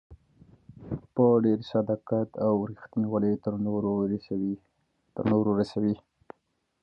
په ډېر صداقت او ريښتينوالۍ يې تر نورو رسوي.